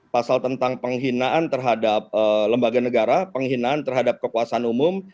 pasal tentang penghinaan terhadap lembaga negara penghinaan terhadap kekuasaan umum